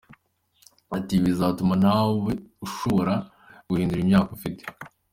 Ati "Ibi bizatuma ntawe ushobora guhindura imyaka afite.